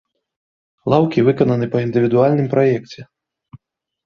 Лаўкі выкананы па індывідуальным праекце.